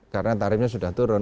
karena tarifnya sudah turun